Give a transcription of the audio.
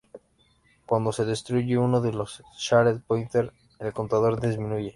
Cuando se destruye uno de los shared pointer, el contador disminuye.